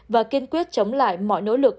và kiên quyết chống lại mọi nỗ lực